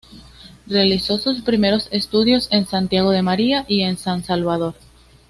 Realizó sus primeros estudios en Santiago de María y en San Salvador.